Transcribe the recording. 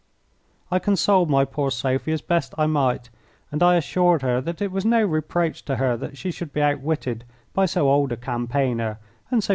I consoled my poor Sophie as best I might, and I assured her that it was no reproach to her that she should be outwitted by so old a campaigner and so shrewd a man as myself.